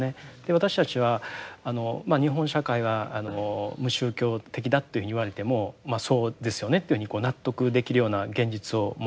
私たちは日本社会が無宗教的だというふうに言われてもまっそうですよねというふうに納得できるような現実を持っています。